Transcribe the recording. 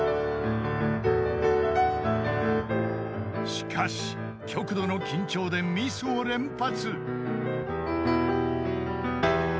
［しかし極度の緊張でミスを連発］